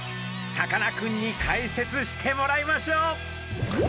さかなクンに解説してもらいましょう。